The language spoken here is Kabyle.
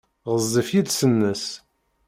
Ɣezzif yiles-nnes.